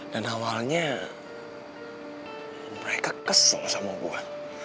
dan awalnya mereka kesel sama gua